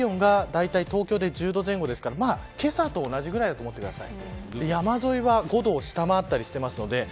最低気温が東京で１０度ぐらいですからけさと同じぐらいだと思ってください。